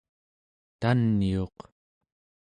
taniuq